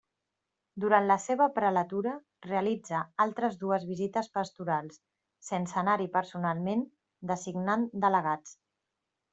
Durant la seva prelatura realitza altres dues visites pastorals, sense anar-hi personalment, designant delegats.